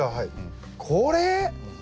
これ？